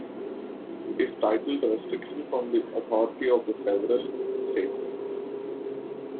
It is titled, Restrictions on the Authority of the Several States.